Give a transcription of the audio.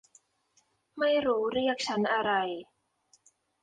ไม่รู้เรียกชั้นอะไร